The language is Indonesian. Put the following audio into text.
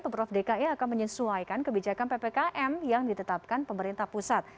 pemprov dki akan menyesuaikan kebijakan ppkm yang ditetapkan pemerintah pusat